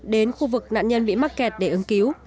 đến khu vực nạn nhân bị mắc kẹt để ứng cứu